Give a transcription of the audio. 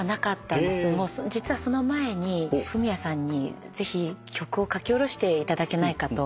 実はその前にフミヤさんにぜひ曲を書き下ろしていただけないかと。